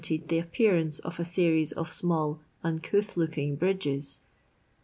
'tl the appearance of a series of small uncouth looking bridges.